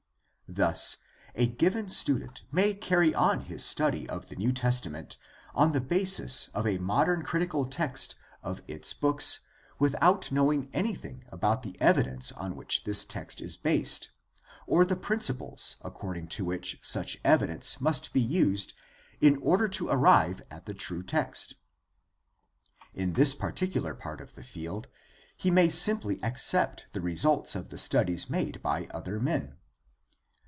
Thus a given student may carry on his study of the New Testament on the basis of a modern critical text of its 174 GUIDE TO STUDY OF CHRISTIAN RELIGION books without knowing anything about the evidence on which this text is based or the principles according to which such evidence must be used in order to arrive at the true text. In this particular part of the field he may simply accept the results of the studies made by other men.